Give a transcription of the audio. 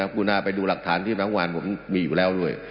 คุณาไปดูหลักฐานที่บางวันผมมีอยู่แล้วด้วย